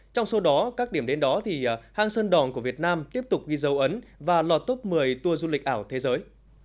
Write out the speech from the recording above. trong số đó các điểm đến đó thì hang sơn đòn của việt nam tiếp tục ghi dấu ấn và lọt top một mươi tour du lịch ảo thế giới